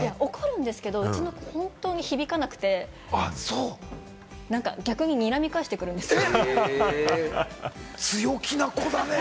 怒るんですけれども、うちの子、本当に響かなくて、なんか逆ににらみ返してくるんですよ。